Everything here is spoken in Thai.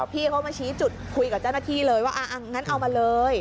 พี่เขามาชี้จุดคุยกับเจ้าหน้าที่เลยว่างั้นเอามาเลย